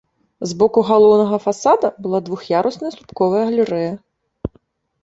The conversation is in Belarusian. З боку галоўнага фасада была двух'ярусная слупковая галерэя.